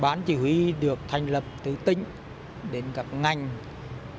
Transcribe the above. bán chỉ huy được thành lập từ tỉnh đến các ngành các xã và đến các kỷ niệm